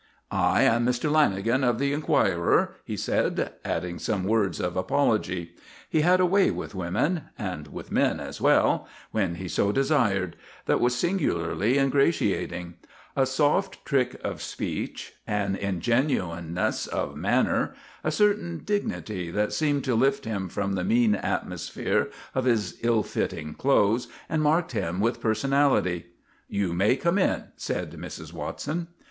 "I am Mr. Lanagan of the Enquirer," he said, adding some words of apology. He had a way with women and with men as well when he so desired, that was singularly ingratiating; a soft trick of speech, an ingenuousness of manner, a certain dignity that seemed to lift him from the mean atmosphere of his ill fitting clothes and marked him with personality. "You may come in," said Mrs. Watson.